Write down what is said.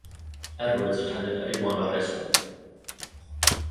Edwards attended Etiwanda High School.